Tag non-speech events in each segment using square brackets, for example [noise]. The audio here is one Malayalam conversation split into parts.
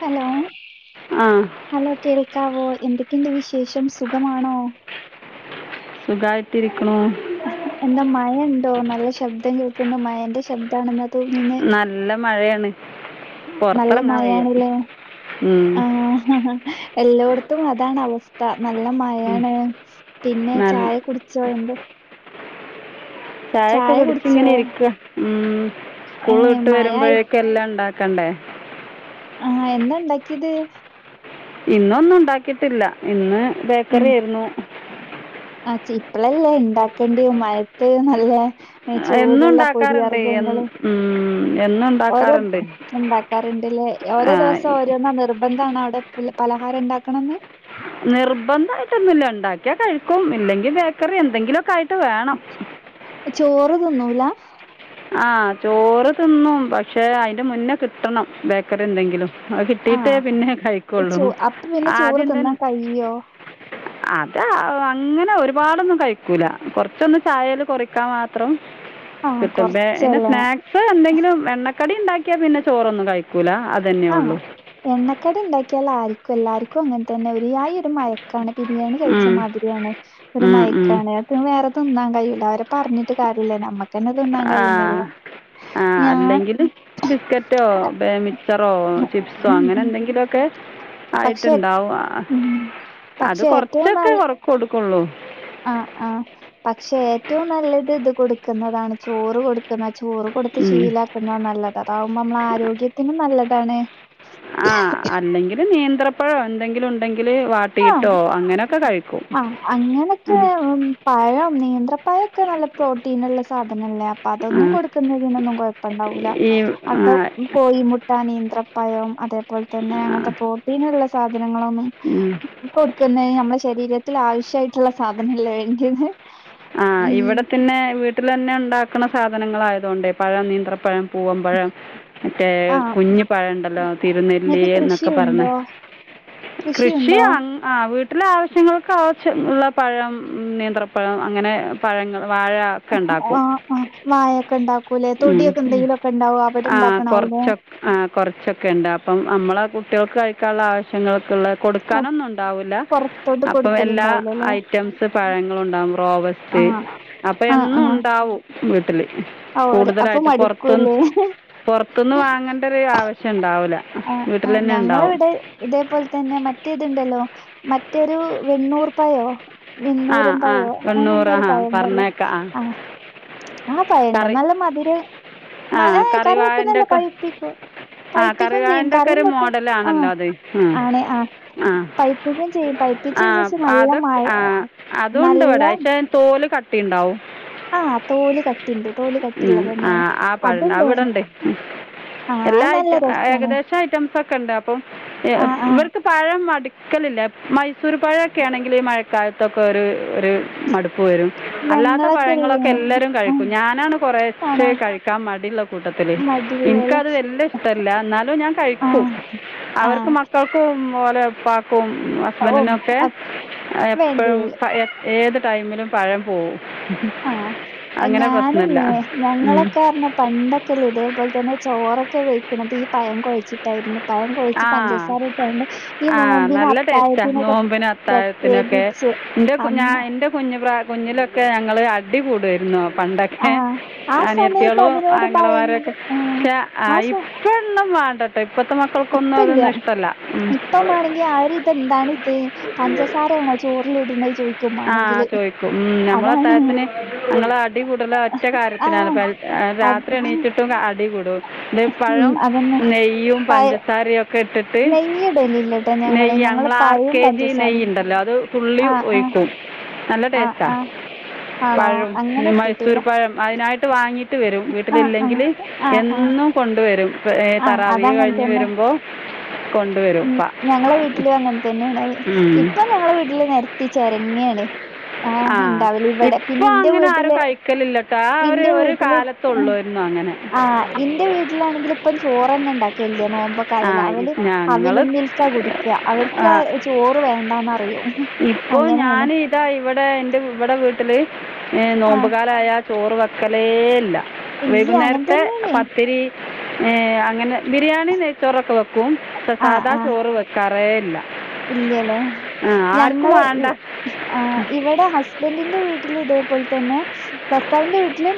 ഹലോ ആ ഹലോ കേൾക്കാവോ എന്തൊക്കെയുണ്ട് വിശേഷം സുഖമാണോ സുഖായിട്ടിരികണു. എന്താ മഴ ഉണ്ടോ നല്ല ശബ്ദം കേൾക്കുന്ന മഴന്റെ ശബ്ദമാണെന്നു തോന്നുന്ന്. ‌ നല്ല മഴയാണ്. നല്ല പുറത്തിറങ്ങാൻ വയ്യ മഴയാണല്ലേ ഉം ആഹ് എല്ലോടത്തും അതാണ് അവസ്ഥ. നല്ല മഴയാണ് പിന്നെ നല്ല ചായ കുടിച്ചോ എന്ത ചായൊക്കെ കുടിച്ച് കുടിച്ചോ ഇങ്ങനെ ഇരിക്കുക ഉം ഏ സ്കൂള് വിട്ട് മഴ വരുമ്പോഴ ആയി- എല്ലാം ഉണ്ടാക്കണ്ടേ ആഹ് എന്താ ഉണ്ടാക്കിയത്? ഇന്നൊന്നും ഉണ്ടാക്കിട്ടില്ല. ഇന്ന് ഉം, ബേക്കറി ആയിരുന്നു. ആ ഇപ്പളല്ലേ ഉണ്ടാക്കേണ്ടി മഴത്ത് നല്ല എന്നും ചൂടുള്ള ഉണ്ടാക്കാറുണ്ട് എന്ന് പൊരിവർഗങ്ങൾ ഉം, എന്നും ഓരോ ഉണ്ടാക്കാറുണ്ട് ഉണ്ട കറണ്ടില് ഓരോ ആ, ദിവസം ഓരോന്നോ നിർബന്ധണ് അവിടെ പലഹാരം ഉണ്ടാക്കണന്ന് നിർബന്ധയിട്ടൊന്നുല്ല ഉണ്ടാക്കിയാ കഴിക്കും ഇല്ലെങ്കിൽ ബേക്കറി എന്തെങ്കിലുമൊക്കെ ആയിട്ട് വേണം. ചോറ് തിന്നൂല ആഹ് ചോറ് തിന്നും. പക്ഷെ അതിന്റെ മുന്നേ കിട്ടണം ബേക്കറി എന്തെങ്കിലും. അത് കിട്ടീട്ടേ ആഹ് പിന്നെ കഴിക്കൊള്ളൂ ചോ ആ ആദ്യെന്തെ ആഹ അത് അങ്ങനെ ഒരുപാടൊന്നും കഴിക്കൂല കൊറച്ചൊന്ന് ചായേൽ കൊറിക്കാൻ മാത്രം. ആഹ് പിന്നെ കൊറച്ചല്ലേ സ്നാക്സ് എന്തെങ്കിലും എണ്ണക്കടി ഉണ്ടാക്കിയാൽ പിന്നെ ചോറൊന്നും കഴിക്കൂല. ആഹ് എണ്ണക്കടി ഉണ്ടാക്കിയാൽ ആർക്കും എല്ലാർക്കും അങ്ങനെ തന്നെ ഒരുയായഒരു ബിരിയാണി കഴിച്ച ഉം മാതിരിയാണ് ഒരു ഉം ഉം മയക്കാണ്. വേറെ തിന്നാൻ കഴിയുല്ല അവരെ പറഞ്ഞിട്ട് കാര്യല്ല നമ്മുക്ക് തിന്നാൻ ആ കഴിയുന്നില്ല ആ ഞാൻ അല്ലെങ്കിൽ ബിസ്ക്കറ്റോ മിക്ചറോ ചിപ്സോ ഉം അങ്ങനെ ഉം എന്തെങ്കിലുമൊക്കെ പക്ഷെ ആയിട്ടുണ്ടാവും ഉം അത് പക്ഷെ കൊറച്ചൊക്കെ കൊറക്ക കൊടുക്കുള്ളൂ ആ ആ പക്ഷെ ഏറ്റവും നല്ലത് ഇത് കൊടുക്കുന്നതാണ് ചോറ് കൊടുക്കുന്ന ചോറ് കൊടുത്ത് ഉം. ശീലാക്കുന്ന നല്ലത് അതാവുമ്പോ നമ്മള ആരോഗ്യത്തിനും നല്ലതാണ്. അല്ലെങ്കില് നേന്ത്രപ്പഴം എന്തെങ്കിലും ഉണ്ടെങ്കിൽ കട്ടിയിട്ടോ ആഹ് അങ്ങനെയൊക്കെ കഴിക്കും. ആഹ് അങ്ങനൊക്കെ ഉം, പഴം നേന്ത്രപഴമൊക്കെ നല്ല പ്രോട്ടീനുള്ള സാധനല്ലേ. ആ ആ അതൊന്നും കൊടുക്കുന്നതിനൊന്നും കൊഴപ്പണ്ടാവൂല്ല ഈ ആ അത് കോഴിമു നേന്ത്രപ്പഴം അതേപോലെ തന്നെ ആ അങ്ങനത്തെ പ്രോട്ടീനുള്ള സാധനങ്ങളൊന്നും ഉം. കൊടുക്കുന്നത് നമ്മുടെ ശരീരത്തിൽ ആവശ്യായിട്ടുള്ള സാധനല്ലേ വേണ്ടിയത് ആ ഉം ഇവിടെ തന്നെ വീട്ടിൽ തന്നെ ഉണ്ടാക്കുന്ന സാദനങ്ങളായതുകൊണ്ടേ പഴം നേന്ത്രപഴം പോകുമ്പോഴ ഒക്കെ ആഹ് കുഞ്ഞഞ് പഴുണ്ടല്ലോ തിരുനെല്ലി ഇങ്ങക്ക് എന്നൊക്കെ പറഞ്ഞേ കൃഷിയുണ്ടോ കൃഷിയുണ്ടോ ആ വീട്ടിലെ ആവശ്യങ്ങൾക്ക് ആവശ്യം ഉള്ള പഴം നിയന്ത്രപ്പഴം. അങ്ങനെ പഴങ്ങൾ വാഴ ഒക്കെ ആ ഉണ്ടാക്കും മായൊക്കെ ഉണ്ടാക്കൂ അല്ലെ ഉം തൊടിയൊക്കെ ഉം. എന്തെങ്കിലുമൊക്കെ ഉണ്ടാവോ അവിടെ ആ ഇണ്ടാക്കന്നവുലെ കുറച്ചൊക്കെ ആ കുറച്ചൊക്കെ ഉണ്ട് അപ്പം നമ്മളെ കുട്ടികൾക്ക് കഴിക്കാനുള്ള ആവശ്യങ്ങൾക്കുള്ള കൊടുക്കാനൊന്നും ഉണ്ടാവൂല. പൊറത്തോട്ട് അപ്പൊ എല്ലാ കൊടുക്കലുണ്ടാവൂലല്ലേ ഐറ്റംസ് പഴങ്ങളും [unintelligible] റോബസ്റ്റ്. ആഹ് അപ്പൊ ആഹ് എന്നും ആഹ് ഉണ്ടാവും, വീട്ടില് ഓര് അപ്പൊ കൂടുതലായിട്ടും പൊറത്ത്ന്ന്, മടുക്കൂലേ പൊറത്ത്ന്ന് വാങ്ങണ്ടരു ആവശ്യം ഉണ്ടാവൂല. ആഹ്, ആഹ്. ഞങ്ങളവിടെ ഇതേപോൽതന്നെ മറ്റേതുണ്ടല്ലോ? മറ്റൊരു വെണ്ണൂർപയോ? ആ വെണ്ണൂരം ആ പയോ? അങ്ങന എന്തോ എണ്ണൂറ് ഒരു ആ പഴണ്ടല്ലോ. പറഞ്ഞേക്കാം ആ ! ആഹ് ആ പഴണ്ടോ? കറി നല്ല മധുരം ആ മയ, കറി കറിവായൻ്റെ വെക്കുന്നല്ല, ഒക്കെ പഴുപ്പിക്കൊ? ആ പയ്പ്പിക്കും ചെയ്യും, കറിവാളിൻ്റെ ഒക്കെ കറിം ഒരു വെക്കും. ആഹ്.. മോഡലാണല്ലോ അത് ആണ്. ആഹ്.. ആ പൈപ്പിക്കും ചെയ്യും. പൈപ്പിച്ച ശേഷം നല്ല മഴ അതുണ്ട് വടെ. ക്ഷേ, തോല് കട്ടി ണ്ടാവും. ആഹ് തോല് കട്ടിണ്ട് തോല് കട്ടിള്ളതന്നേണ്. ആഹ്. ആ [unintelligible] അത്ണ്ട് വ്ടെണ്ടേയ്. ആഹ് എല്ലാ അത് നല്ല ഐറ്റം, രസാണ് ഏകദേശം ഐറ്റംസ് ഒക്കെ ഉണ്ട്. അപ്പം ആഹ് ആഹ് ഇവർക്ക് പഴം മടുക്കലില്ല. മൈസൂർ പഴക്കെണെങ്കിൽ, ഈ മഴക്കാലത്തൊക്കെ ഒരു, ഒരു മടുക്ക പ്പ് വരും. അല്ലാത്ത ഞങ്ങളൊക്കെല്ലേ പഴങ്ങളൊക്കെ എല്ലാരും ഉം കഴിക്കും. ഞാനാണ് കുറേശ്ശെ ആണോ കഴി ക്കാൻ മടിയുള്ള കൂട്ടത്തില്. മടില്ലേല് ഇൻക്കത് വല്ല്യ ഇഷ്ടല്ല, ന്നാലും ഞാൻ കഴിക്കും. ആഹ് അവർക്ക് ആഹ് മക്കൾ ക്കും ഓലെ ഇപ്പാക്കും [unintelligible] വേണ്ടേ? ഏ, ഏത് ടൈമിലും പഴം പോവും. ആഹ്. അങ്ങനെ പ്രശ്നമില്ല ഞാനില്ലേ! ഉം. ഞങ്ങളൊക്കെ അർഞ്ഞ പണ്ടൊക്കെല്ലേ, ഇതേപോലെ തന്നെ ചോറൊക്കെ വെയ്ക്കണത് ഈ പയം കൊയച്ചിട്ട് ട്ടായിരുന്നു. പഴം കൊഴച്ച് ആ പഞ്ചസാര ഇട്ടാണ്ട്. ഈ ആ നോമ്പിന് നല്ല ടേസ്റ്റാ അത്തായത്തിനൊക്കെ നോമ്പിന് പ്രത്യേകിച്ച് അന്ന് കുഞ്ഞു പ്രാ, കുഞ്ഞിലൊക്കെ ഞങ്ങള് അടി കൂടുവായിരുന്നു പണ്ടൊക്കെ ഏ? ആഹ് ആ സമയത്ത് അനിയത്തിയാളും, അതിനോട് ഭയങ്ക ആങ്ങളമാരൊക്കെ, ആഹ് ക്കെ ആ ആയി സമ [unintelligible] മാണ്ടട്ടോ ഇപ്പത്തെ ഇപ്പ ഇല്ല. ഇപ്പം മാണെങ്കി ആര്ത്, എന്താണ് ഇത്, പഞ്ചസാര ചോറില് ഇട്ണ ചോ [unintelligible] ആഹ് ചോഴിക്കും. ഉം. നമ്മള് അത്തായത്തിന് നമ്മള്, അടികൂടണെ ഒറ്റ കാര്യത്തിനാണ് ആഹ്. അത് രാത്രി എണീറ്റ് [unintelligible] അടിവിടും. ത് ഉം പഴം അതന്നെ നെയ്യും, പഴ പഞ്ചസാരയും ഒക്കെ ഇട്ടിട്ട് ട്ട്, നെയ്യിടലില്ലട്ടോ ഞങ്ങള് നെയ്യ് ഞങ്ങള് മ്മളെ ആർ. പഴോം കെ. ജി പഞ്ചസാരേം നെയ്യ്ണ്ടല്ലോ, അത് തുള്ളി ആഹ് ഒഴിക് ആഹ് നല്ല ആഹ് ടേസ്റ്റാ. ആഹ് ആണോ പയോം അങ്ങനെ മൈസൂർ ഇട്ടിട്ടില്ല അയിനായിട്ട് വാങ്ങിട്ട് വരും. ആഹ് ആഹ് വീട്ടിലില്ലെങ്കില് ആഹ് ആഹ് എന്നും കൊണ്ടുവരും ആഹ് തറാവീഹ് അതങ്ങൻ കഴിഞ്ഞ് തന്നെ വരുമ്പോ ഉം. ഞങ്ങളെ വീട്ടിലും അങ്ങനെ തന്നെണാവേ. ഉം. ഇപ്പൊ ഞങ്ങളെ വീട്ടില് നെര്ത്തി ചൊരങ്ങേണ്. ആഹ്. ആ ഇണ്ടാവല് വടെ. പിന്നെ, ഇപ്പൊ ഇന്റെ അങ്ങനെ ആരും വീട്ടില്, കഴിക്കലില്ല കേട്ടോ ആ ഒരു ഇന്റെ ഒരു വീട്ടില് കാലത്തുള്ളായിരുന്നു അങ്ങനെ ആഹ്. ഇന്റെ വീട്ടിലാണെങ്കിൽ ഇപ്പം ചോറെന്നെ ണ്ടാക്കലില്ല്യ, ആ നോമ്പൊക്കായാല് അവല് ഇ- ഞങ്ങള് അവിലും മിൽക്കാ കുടിക്കുക. അവർക്ക് ആ ചോറ് വേണ്ടാന്നറയും, ഇപ്പോൾ അങ്ങനെണ്. [unintelligible] ഇവിടെ ഇന്റെ ഇവിടെ വീട്ടില്, ആഹ് നോമ്പുകാലായ ചോറ് വെക്കലേ.. ഇല്ല. ഇല്ല അങ്ങനെ വൈകുന്നേരത്തെ തന്നെയാണ് പത്തിരി ഏ... അങ്ങനെ, ബിരിയാണി, നെയ്ച്ചോറൊക്കെ വെക്കും. പക്ഷെ, സാദാ ചോറ് വെക്കാറേ ഇല്ല. ഇല്ലയല്ലേ. ആ ആർക്കും ഞങ്ങളെ, വേണ്ട ആഹ് ഇവിടെ ഹസ് [unintelligible] ന്റെ വീട്ടില് ഇതേപോൽതന്നെ. ഭർത്താവിന്റെ വീട്ടില്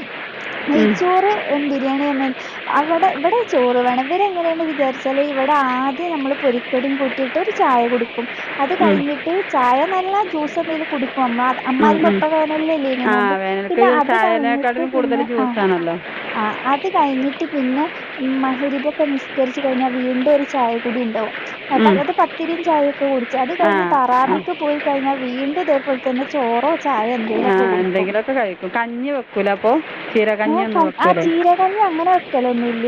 ഉം, നെയ്ച്ചോറ് എം, ബിരിയാണി [unintelligible] അവടെ, ഇവടെ ചോറ് വേണം. ഇവരെങ്ങനേണ് വിചാരിച്ചാല്, ഇവടാദ്യം ഞമ്മള് പൊരിക്കടിം കൂട്ടീട്ടൊര് ചായ കുടിക്കും. അത് ഉം, കഴിഞ്ഞിട്ട് ചായന്നല്ല, ജ്യൂസെന്തേലും കുടിക്കും [unintelligible] ഉം, അമ്മാരി ഉം. കൊട്ടവേനൽല്ലല്ലേയ്നോ ആ നോമ്പ്? വേനൽക്ക് പിന്നെ, അത് കഴിഞ്ഞിട്ട് ചായനേക്കാട്ടിലും കൂടുതൽ പിന്നെ, ആഹ് ജ്യൂസാണല്ലോ ആഹ്. അത് കഴിഞ്ഞിട്ട് പിന്നെ മഹ്രിബൊക്കെ നിസ്കരിച്ച് കഴിഞ്ഞാ വീണ്ടൊരു ചായ കുടിണ്ടാവും. ആ ഉം. പ്പത്, പത്തിരിം ഞ്ചായൊക്കെ കുടിച്ച്, അത് ആ കഴിഞ്ഞ് ആ താറാബിക്ക് പോയി കഴിഞ്ഞാ വീണ്ടുതേപോൽതന്നെ ചോറോ ചായോ എ ആ മീനൊക്കെ കൊടുക്കും എന്തെങ്കിലുമൊക്കെ കഴിക്കും കഞ്ഞി വെക്കൂല അപ്പോൾ [unintelligible] ചീരകഞ്ഞി ഒന്നും ആ വെക്കൂലേ ചീരെ കഞ്ഞി അങ്ങനെവെക്കലൊന്നുല്ല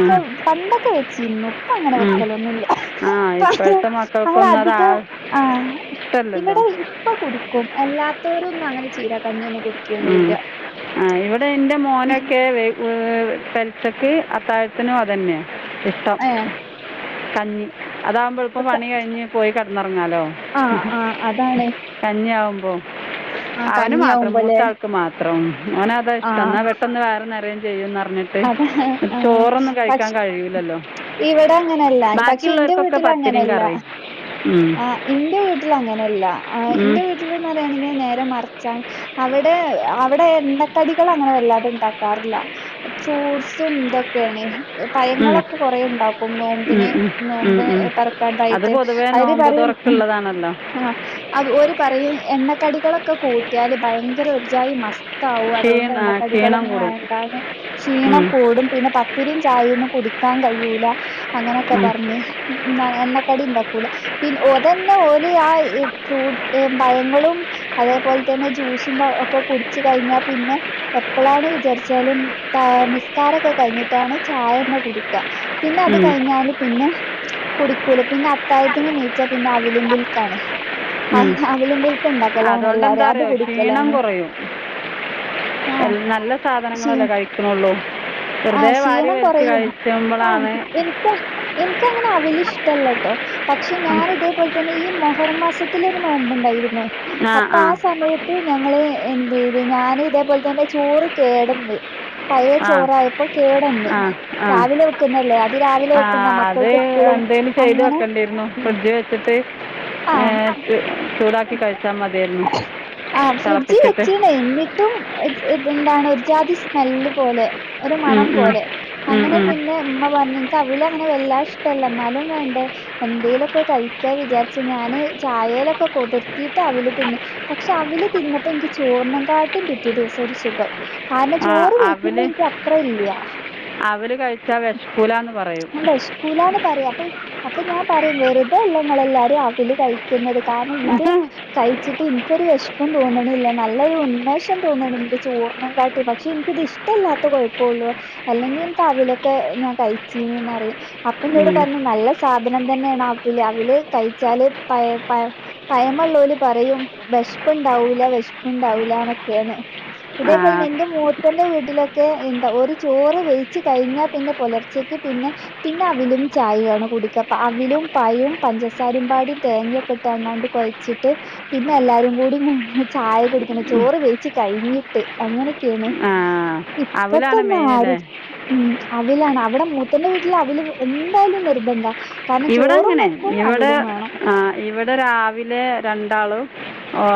ഉം, പണ്ടക്കെ വെച്ചിരുന്നു. പ്പങ്ങനെ ഉം. വെക്കലൊന്നുല്ല. ആ ഇപ്പോഴത്തെ മക്കൾക്കൊന്നും അത് ആ അങ്ങനധികം ആ ഇഷ്ടമല്ലല്ലോ ഇവിടെ ഇപ്പ കുടുക്കും എല്ലാത്തരും ഒന്നും അങ്ങനെ ചെയീല്ലാ കഞ്ഞി ഒന്ന്കൊടു ഉം ആ ഇവിടെന്റെ മോനൊക്കെ വെ [unintelligible] പെൽച്ചക്ക് അത്താഴത്തിനും അതന്നെയ ഇഷ്ടം. ഏഹ് കഞ്ഞി അതാവുമ്പ എളുപ്പ പണി കഴിഞ്ഞ് പോയി കെടന്നൊറങ്ങാലോ. ആ അതാണേ. കഞ്ഞിയാവുമ്പോ ആ കഞ്ഞിയാവുമ്പല്ലേ? ത്താൾക്ക് മാത്രം ഓനതാ ആഹ് ഇഷ്ടംന്നാ വെട്ടന്ന് വയറ് നേറേംഞ്ചേയ്യുന്നറഞ്ഞി- അത ആഹ് ചോറൊന്നും കഴിക്കാൻ പക്ഷെ കഴിയുലല്ലോ. ഇവിടെ അങ്ങനെയല്ല പക്ഷെ ഇന്റെ ബാക്കിയുള്ളവർക്കൊക്കെ പത്തിരിയും വീട്ടിലങ്ങനെയല്ല കറിം ഉം. ആഹ് ഇന്റെ വീട്ടിലങ്ങനെയല്ല ആ ഉം. ഇന്റെ വീട്ടില്ന്നറയാണെങ്കി നേരെ മറിച്ചാ അവടെ അവടെ എണ്ണക്കടികളങ്ങനെ വല്ലാതെണ്ടാക്കാറില്ല. ഫ്രൂട്സുംന്തൊക്കെയാണ്. ഉം. പയങ്ങളക്കെ കൊറെണ്ടാക്കും ഉം, നോമ്പിന് ഉം, ഉം, നോമ്പ് [unintelligible] റക്കാനായിട്ട് അവര് പറയും ള്ളതാണല്ലോ. ആ അവ് ഓര് പറയും എണ്ണക്കടികളൊക്കെ കൂട്ടിയാല് ഭയങ്കര ഒരുചായി മസ് താവും അതൊണ്ട് ക്ഷീണ ആ, ക്ഷീണം എണ്ണക്കടികളൊന്നും കൂടും വേണ്ടാന്ന്. ക്ഷീണം ഉം, കൂടും പിന്നെ പത്തിരിം ചായൊന്നും കുടിക്കാൻ കഴിയൂല അങ്ങനൊക്കെ ഉം, പറഞ്ഞ്. ഉം ന്താണ് എണ്ണക്കടിണ്ടാക്കൂല. പിൻ ഓതന്നെ ഓല് ആ ഈ ഫ്രൂട്ട്സ് പയങ്ങളും അതേപോൽത്തന്നെ ജ്യൂസുംമ്പക്കെ കുടിച്ച് കഴിഞ്ഞാ പിന്നെ എപ്പളാണ് വിചാരിച്ചാല് താ നിസ്കാരക്കെ കഴിഞ്ഞിട്ടാണ് ചായന്നെ കുടിക്ക പിന്നെ അത് ഉം, കഴിഞ്ഞാല് പിന്നെ കുടിക്കൂല പിന്നെ അത്തായത്തിനെണീച്ചാ പിന്നെ അവില്മിൽക്കാണ്. ആ ഉം. അവിലുംമിൽക്കണ്ടാക്കലാണ് അതുകൊണ്ട് എല്ലാര് എന്താ അത് അറിയോ ക്ഷീണം കുടിക്കലാണ്. കുറയും ആഹ് നല്ല സാധനങ്ങളല്ലേ കഴിക്കണുള്ളൂ. ആ വെറുതെ വാരി ക്ഷീണം വലിച്ച് കൊറയും ആ കഴിക്കുമ്പോഴാണ് എനിക്ക് എൻക്കങ്ങനെ അവിലിഷ്ടല്ലട്ടോ. പക്ഷെ ഞാനിതേപോൽ തന്നെ ഈ മൊഹർ മാസത്തിലൊരു നോമ്പുണ്ടായിരുന്നു. അപ്പ ആ സമയത്ത് ഞങ്ങള് എന്തെയ്ത് ഞാനിതേപോൽ തന്നെ ചോറ് കേടേന്ന് പയെ ആ ചോറായപ്പോ കേടെന്ന് ആ ആ രാവിലെ വെക്ക്‌ന്നല്ലേ അത് രാവിലെ ആ വെക്കുന്ന അത് മക്കൾക്ക് സ്കൂളും എന്തേലും ചെയ്ത് അങ്ങനെ വെക്കേണ്ടിരുന്നു ഉം ഫ്രിഡ്ജ് വെച്ചിട്ട് ഏ ആഹ് ചു ചൂടാക്കി കഴിച്ചാ മതിയാരുന്നു തെളപ്പിച്ചിട്ട് പ്പെന്നിട്ടും ഇത് ഇതെന്താണ് ഒരു ജാതി സ്മെല്ല് പോലെ. ഒരു ഉം മണം ഉം പോലെ ഉം അങ്ങനെ ഉം പിന്നെ ഉമ്മ പറഞ്ഞനിക്കവല് അങ്ങനെ വെല്ലഷ്ടല്ലന്നാലും വേണ്ടേ എന്തേലൊക്കെ കഴിക്കാ വിചാരിച്ച് ഞാന് ചായേലൊക്കെ കൊതിർതീട്ടവല് തിന്ന്. പക്ഷെ അവില് തിന്നപ്പോ നിക്ക് ചോർണിക്കാട്ടും പിറ്റേ ദിവസൊരു സുഖം. കാരണം ആ ചോറ് അവല് കഴിക്കുമ്പനിക്ക് അത്ര ഇല്ല്യ. അവല് കഴിച്ചാ വെശക്കൂലാന്ന് പർ ഞ വെശക്കൂലാന്ന് പറയ് അപ്പ അപ്പ ഞാൻ പറയും വെറുതെല്ലങ്ങളെല്ലാരും അവല് കഴി ത്തുന്നത് കാരണം ഇത് കയിച്ചിട്ട് എനിക്കൊരു വിഷ്പം തോന്നണില്ല നല്ലൊരു ഉന്മേഷം തോന്നണണ്ട് ചോർണ്ണ കാട്ടി പക്ഷെ എനിക്കിത് ഇഷ്ട ടല്ലാത്ത കുഴപ്പള്ളൂ. അല്ലെങ്കിനിക്ക് അവിലൊക്കെ ഞാൻ കഴി [unintelligible] അപ്പോന്നോട് ഉം. പറഞ്ഞ നല്ല സാധനം തന്നെയാണ് അവില്. അവില് കയിച്ചാല് പയ പ പയമള്ളോൽ പറയും. വിഷ്പുണ്ടാവൂല വിഷ്പുണ്ടാവൂലന്നൊക്കെയന്ന ആ ഇതേപോലൽന്നെ എന്റെ മൂത്തന്റെ വീട്ടിലൊക്കെ എന്താ ഒരു ചോറ് വെയിച്ച് കഴിഞ്ഞാ പിന്നെ പുലർ ച്ചക്ക് പിന്നെ പിന്നെ അവിലും ചായയുആണ് കുടിക്കപ്പ. അവിലും പയും പഞ്ചസാരും പാടി തേങ്ങൊക്കെ ഇട്ട് ആണണ്ട് കൊയ് ച്ചിട്ട് പിന്നെ എല്ലാരും കൂടി മൂന്ന് ചായ കുടിക്ണ് ചോറ് വെയിച്ച് കഴിഞ്ഞിട്ട്. അങ്ങനെയൊക്കെയാണ്. ആ അവലാണ് മെയിൻ അല്ലേ ഇപ്പത്തൊന്നാരും ഉം അവിലാണ്. അവിടെ മൂത്തന്റെ വീട്ടിൽ അവിൽ എന്തായാലും നിർബന്ധ. കാരണം ഇവിടെ ചോറും അങ്ങനെയാ വെക്കും ഇവിടെ അവിലും വേണം. ആ ഇവിടെ രാവിലെ രണ്ടാളും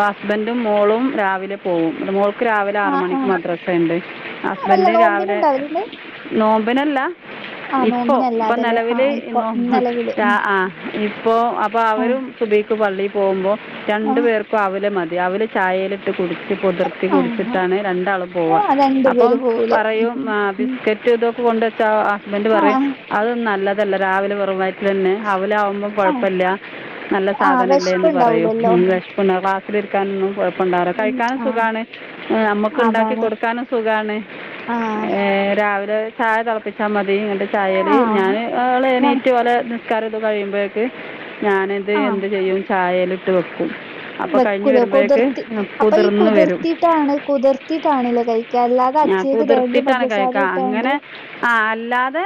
ഹസ്ബന്റും മോളും രാവിലെ പോവും. എന്ന്ട്ട് മോൾ ക്ക് രാവിലെ ആഹ് ആറ്മണിക്ക് ആഹ് മദ്രാസ ഇണ്ട്. വല്ല ഹസ്ബന്റ് രാവിലെ നോമ്പിനുണ്ടോ അവലുണ്ട്? നോമ്പിനല്ല ആഹ് ഇപ്പൊ ഇപ്പം നോമ്പിനല്ലാതല്ലേ നിലവില് ആഹ് ഇപ്പൊ നോ നിലവില് ക്ക ഉം ആഹ് ഇപ്പോ അപ്പൊ ആഹ് അവരും സുബയിക്ക് പള്ളി പോകുമ്പോ രണ്ടു ആഹ് പേർക്കും അവല് മതി അവല് ചായേല് ഇട്ട് കുടിച്ച് പൊതിർ ത്തി ആഹ് കുടിച്ചിട്ടാണ് രണ്ടാളും പോവ. ആഹ് രണ്ടു അപ്പം പേര് പോവൂലേ പറയും ഉം ആ ഉം ബിസ്ക്കറ്റ് ഇതൊക്കെ കൊണ്ട്ച്ചാ ഹസ്ബൻന്റ് പറയും ആഹ് അതൊന്നും നല്ലതല്ല രാവിലെ വെറും വയറ്റിലന്നെ അവലാവും മ്പൊ ആഹ് കുഴപ്പല്ല നല്ല ആഹ് സാധനല്ലേന്ന് പറയും. വെശ്പ്പ്ണ്ടാവൂലല്ലോ ഉം വിഷപ്പൊന്നും ക്ലാസില് ഇരിക്കാനൊന്നും കൊ യപ്പൻണ്ടാവൂല ഉം കഴിക്കാനും ആഹ് സുഖാണ്. നമ്മക്ക് ഉണ്ടാക്കി അതാണ് കൊടുക്കാനും സുഖാണ്. ആഹ് ഏ രാവിലെ ചായ തിളപ്പിച്ചാ മതി. എന്നിട്ട് ചായേല് ആഹ് ഞാൻ ഓല് ഞം എനീറ്റ് ഓലെ നിസ്കാരൊക്കെ കഴിയുമ്പോയേ ക്ക് ഞാനിത് എന്ത് ചെയ്യും ചായേല് ഇട്ട് വെക്കും അപ്പോൾ കഴിഞ്ഞ് വെക്കൂല വരുമ്പോഴേക്ക് കുതിർത്തി അപ്പൊ ഈ കുതിർന്ന് വരും കുതിർത്തിട്ടാണ് കുതിർത്തിട്ടാണ് ലേ കൈ ക്കാ അല്ലാതെ അച്ചീക്ക് തേങ്ങേ പഞ്ചസാരീം ഇട്ടാണ്ട് ആഹ് അല്ലാതെ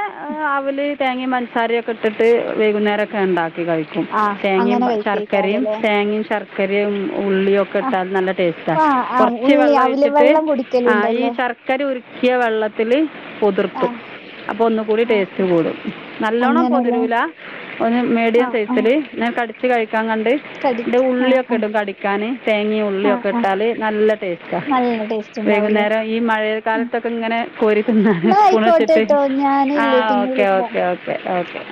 അവില് തേങ്ങയും പഞ്ചസാരയൊക്കെ ഇട്ടിട്ട് വൈകുന്നേരൊക്കെ ഉണ്ടാക്കി കഴി ക്കും. ആഹ് തേങ്ങയും, അങ്ങനെ ശർക്കരയും, കഴിക്കേക്കാരല്ലേ തേങ്ങയും, ശർക്കരയും ഉള്ളിയും ഒക്കെ ആഹ് ഇട്ടാൽ നല്ല ടേസ്റ്റാ ആഹ് ആഹ് കുറച്ച് ഉള്ളി വെള്ളം അവില് ഒഴിച്ചിട്ട് വെള്ളം ആ ഈ കുടിക്കല്ണ്ടല്ലോ ശർക്കര ഉരുക്കിയ വെള്ള ത്തില് പുതിർത്തും. ആഹ് അപ്പൊ ഒന്നുകൂടി ആഹ് ടേസ്റ്റ് ആഹ് കൂടും. നല്ലോണ്ണം അങ്ങനെല്ലേ പൊതിരൂല ഒന്ന് മീഡിയം ആഹ് സൈസിൽ ആഹ് ഞാൻ കടിച്ചു കഴിക്കാൻ കണ്ട് കടി ഇന്റെ ആഹ് ഉള്ളിയൊക്കെ ആഹ് ഇടും കടിക്കാന് തേങ്ങേ ആഹ് ഉള്ളിയൊക്കെ ആഹ് ഇട്ടാല് നല്ല ടേസ്റ്റാ നല്ല ടേസ്റ്റ് ഇണ്ടാവൂലേ വൈകുന്നേരം ഈ മഴയൽ ഉം കാലത്തൊക്കെ ഇങ്ങനെ കോരി തിന്നാണ് ന്നാ സ്പൂണിട്ട്ട്ട് ആയിക്കോട്ടെട്ടോ ആ ഞാനില്ലേ ഓ പിന്നെ ഓക്കെ വിളിക്കാം. Okay okay okay